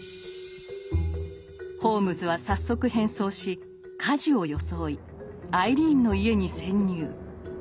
ホームズは早速変装し火事を装いアイリーンの家に潜入。